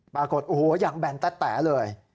ปรากฏโอ้โหอย่างแบนแต๊ะเลย